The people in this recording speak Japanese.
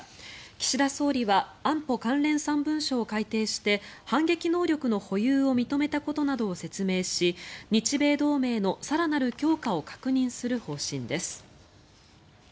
岸田総理は安保関連３文書を改定して反撃能力の保有を認めたことなどを説明し日米同盟の更なる強化を確認する方針です。